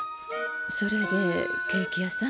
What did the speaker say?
それでケーキ屋さん？